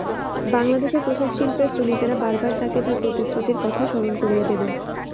বাংলাদেশের পোশাকশিল্পের শ্রমিকেরা বারবার তাঁকে তাঁর প্রতিশ্রুতির কথা স্মরণ করিয়ে দেবেন।